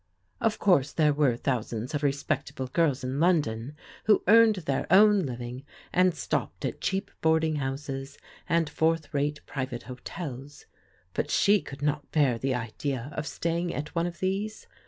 Of course there were thousands of respectable girls in Lon don, who earned their own living, and stopped at cheap boarding houses and fourth rate private hotels; but she could not bear the idea of staying at one of these.